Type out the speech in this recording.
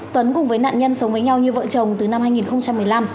tuấn cùng với nạn nhân sống với nhau như vợ chồng từ năm hai nghìn một mươi năm